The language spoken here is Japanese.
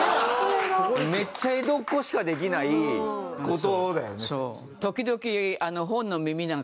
めっちゃ江戸っ子しかできない事だよね。